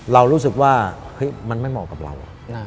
เรารู้สึกว่ามันไม่เหมาะกับเรา